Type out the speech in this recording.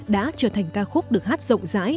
đã trở thành ca khúc được hát rộng rãi